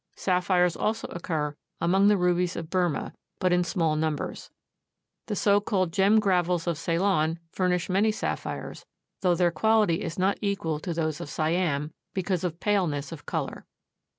Sapphires also occur among the rubies of Burmah, but in small numbers. The so called gem gravels of Ceylon furnish many sapphires, though their quality is not equal to those of Siam because of paleness of color.